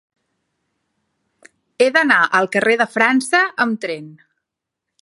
He d'anar al carrer de França amb tren.